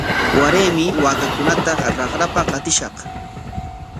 Waraymi waakakunata raqrapa qatishaq.